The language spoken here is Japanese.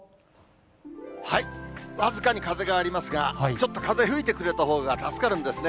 僅かに風がありますが、ちょっと風吹いてくれたほうが助かるんですね。